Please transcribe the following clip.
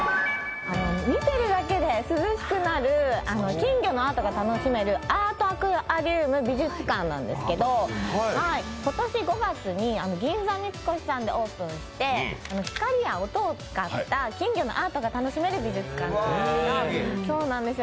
見てるだけで涼しくなる、金魚のアートが楽しめる、アートアクアリウム美術館なんですけども今年５月に銀座三越さんでオープンして光や音を使った金魚のアートが楽しめる美術館です。